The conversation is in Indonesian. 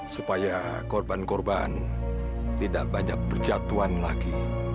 supaya korban korban tidak banyak berjatuhan lagi